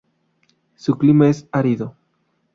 Su clima es árido.